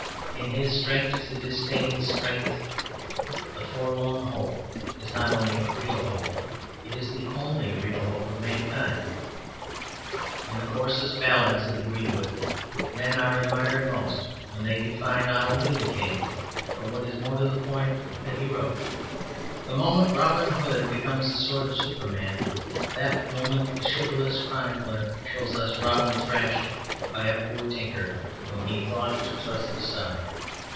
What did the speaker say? It is his strength to disdain strength. The forlorn hope is not only a real hope, it is the only real hope of mankind. In the coarsest ballads of the greenwood men are admired most when they defy, not only the king, but what is more to the point, the hero. The moment Robin Hood becomes a sort of Superman, that moment the chivalrous chronicler shows us Robin thrashed by a poor tinker whom he thought to thrust aside.